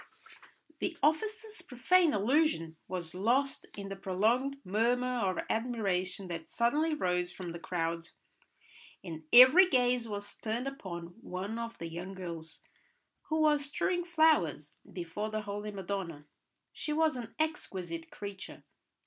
The officer's profane allusion was lost in the prolonged murmur of admiration that suddenly rose from the crowd, and every gaze was turned upon one of the young girls who was strewing flowers before the holy Madonna. She was an exquisite creature.